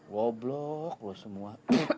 woblog lu semua